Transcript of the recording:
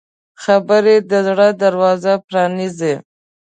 خبرې د زړه دروازه پرانیزي